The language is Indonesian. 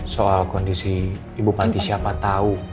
soal kondisi ibu panti siapa tahu